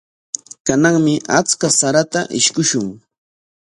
Kananmi achka sarata ishkushun.